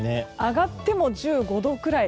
上がっても１５度くらい。